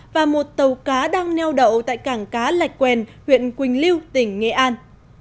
và một tàu cá đang neo đậu tại cảng cá lạch quen huyện quỳnh lưu tỉnh nghệ an